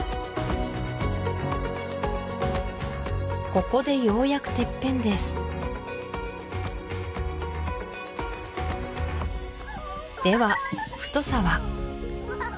ここでようやくてっぺんですでは太さは？